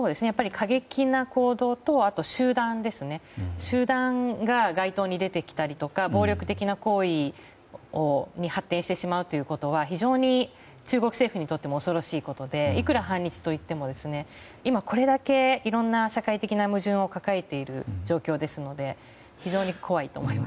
過激な行動と集団が街頭に出てきたりとか暴力的な行為に発展してしまうことは非常に中国政府にとっても恐ろしいことでいくら反日といっても今、これだけいろんな社会的な矛盾を抱えている状況ですので非常に怖いと思います。